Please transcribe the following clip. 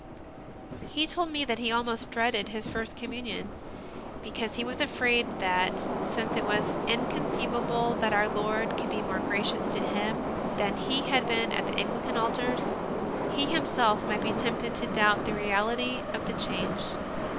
He told me that he almost dreaded his First Com munion, because he was afraid that, since it was inconceivable that Our Lord could be more gracious to him than He had been at Anglican altars, he him self might be tempted to doubt the reality of the change.